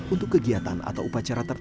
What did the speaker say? untuk kegiatan atau upacara tertentu